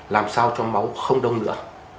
làm sao cho máu không đông nữa